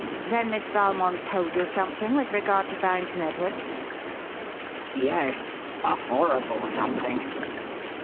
"Then Miss Valmond told you something with regard to Barrington Edwards?" "Yes a horrible something.